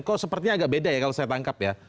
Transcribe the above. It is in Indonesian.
kok sepertinya agak beda ya kalau saya tangkap ya